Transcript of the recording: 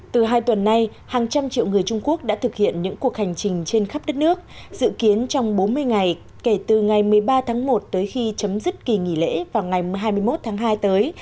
từ hai tuần nay hàng trăm triệu người trung quốc đã thực hiện những cuộc hành trình trên khắp đất nước dự kiến trong bốn mươi ngày kể từ ngày một mươi ba tháng một tới khi chấm dứt kỳ nghỉ lễ vào ngày hai mươi một tháng hai tới